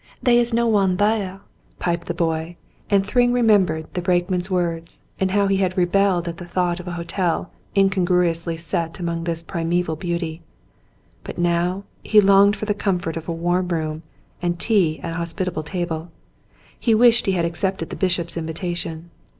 *'They is no one thar," piped the boy; and Thryng remembered the brakeman's words, and how he had re belled at the thought of a hotel incongruously set amid this primeval beauty; but now he longed for the comfort of a warm room and tea at a hospitable table. He wished he had accepted the bishop's invitation.